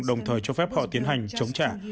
đồng thời cho phép họ tiến hành chống trả